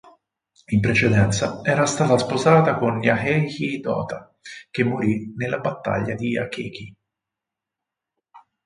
In precedenza era stata sposata con Yaheji Dota che morì nella battaglia di Akechi.